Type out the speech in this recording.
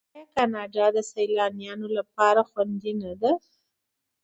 آیا کاناډا د سیلانیانو لپاره خوندي نه ده؟